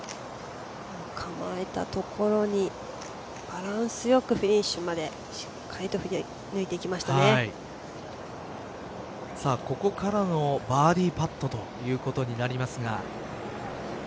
構えたところにバランスよくフィニッシュまでしっかりとここからのバーディーパットということになりますが。